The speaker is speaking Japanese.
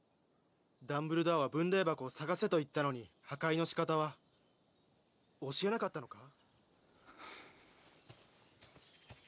ダンブルドアは「分霊箱を探せ」と言ったのに破壊のしかたは教えなかったのか？